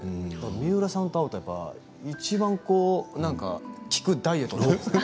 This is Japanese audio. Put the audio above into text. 三浦さんと会うといちばん効くダイエットですね。